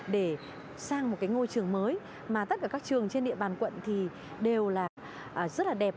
để sang một cái ngôi trường mới mà tất cả các trường trên địa bàn quận thì đều là rất là đẹp